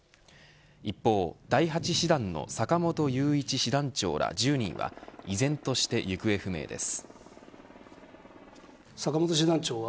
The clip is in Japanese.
一方、第８師団の坂本雄一師団長ら１０人は依然として行方不明です。